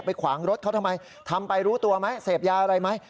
ขวางรถเขาทำไมทำไปรู้ตัวไหมเสพยาอะไรไหม